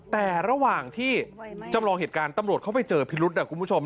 แต่ระหว่างที่จำลองเหตุการณ์ตำรวจเข้าไปเจอพิรุษนะคุณผู้ชม